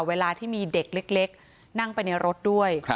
เวลาที่มีเด็กเล็กนั่งไปในรถด้วย